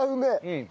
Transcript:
うん！